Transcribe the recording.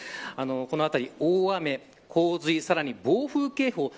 この後、大雨、洪水さらに暴風警報機